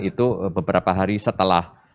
itu beberapa hari setelah